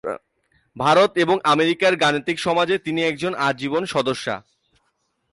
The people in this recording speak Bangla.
ভারত এবং আমেরিকার গাণিতিক সমাজের তিনি একজন আজীবন সদস্যা।